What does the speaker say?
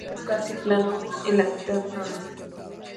El suelo es casi plano en la mitad noroeste.